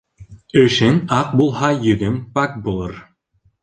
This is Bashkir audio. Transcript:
Эшең аҡ булһа, йөҙөң пак булыр.